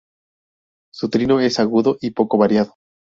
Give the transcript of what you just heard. Su trino es agudo y poco variado.